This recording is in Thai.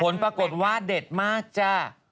ผลปรากฏว่าเด็ดมากจ้า